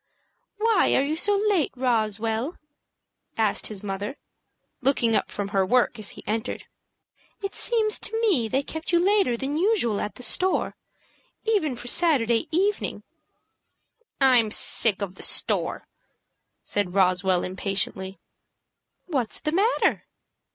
"Why are you so late, Roswell?" asked his mother, looking up from her work as he entered. "It seems to me they kept you later than usual at the store, even for Saturday evening." "I'm sick of the store," said Roswell, impatiently. "What's the matter?"